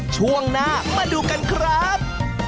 ช่วงหน้ามาดูกันครับ